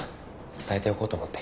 伝えておこうと思って。